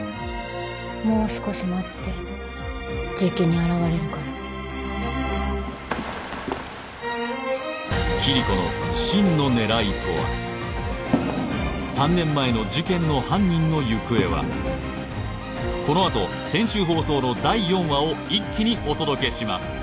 もう少し待ってじきに現れるからキリコの真の狙いとは３年前の事件の犯人の行方はこのあと先週放送の第４話を一気にお届けします